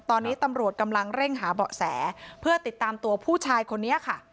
ตอนนี้ตำรวจกำลังเร่งหาเบาะแสเพื่อติดตามตัวผู้ชายคนนี้ค่ะ